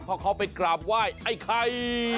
เพราะเขาไปกราบไหว้ไอ้ไข่